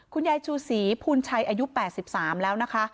คุณยายชู่สีภูญชัยอายุแปดสิบสามแล้วนะคะ